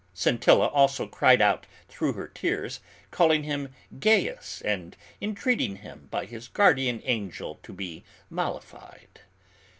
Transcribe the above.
Scintilla also cried out through her tears, calling him "Gaius," and entreating him by his guardian angel to be mollified.